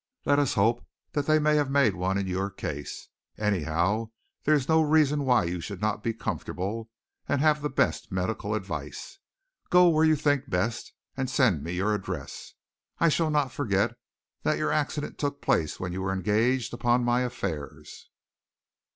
"Let us hope that they may have made one in your case. Anyhow, there is no reason why you should not be comfortable, and have the best medical advice. Go wherever you think best, and send me your address. I shall not forget that your accident took place when you were engaged upon my affairs."